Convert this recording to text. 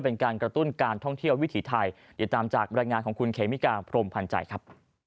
เป็นการกระตุ้นการท่องเที่ยววิถีไทยติดตามจากบรรยายงานของคุณเขมิกาพรมพันธ์ใจครับ